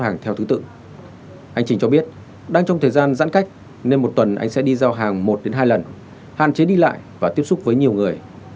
hành trình cho biết đang trong thời gian giãn cách nên một tuần anh sẽ đi giao hàng một đến hai lần hạn chế đi lại và tiếp xúc với nhiều người